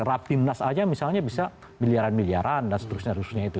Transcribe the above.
rapimnas saja misalnya bisa miliaran miliaran dan seterusnya